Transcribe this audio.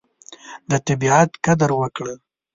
د طبیعت قدر وکړه.